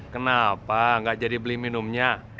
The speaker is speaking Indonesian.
kenapa nggak jadi beli minumnya